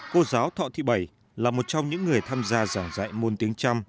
cô giáo thọ thị bảy là một trong những người tham gia giảng dạy môn tiếng trăm